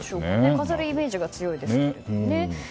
飾るイメージが強いですけどね。